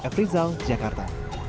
f rizal jakarta